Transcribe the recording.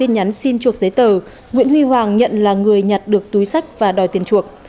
nhắn xin chuộc giấy tờ nguyễn huy hoàng nhận là người nhặt được túi sách và đòi tiền chuộc